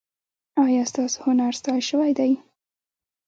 ایا ستاسو هنر ستایل شوی دی؟